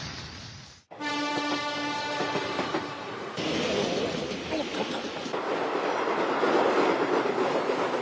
おおおっとっと。